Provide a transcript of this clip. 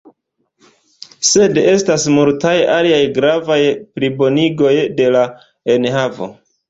Sed estas multaj aliaj gravaj plibonigoj de la enhavo.